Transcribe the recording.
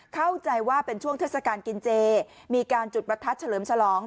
เข้าใจว่าเป็นช่วงเทศกาลกินเจมีการจุดประทัดเฉลิมฉลอง